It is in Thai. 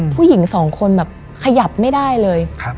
ผู้หญิงสองคนแบบขยับไม่ได้เลย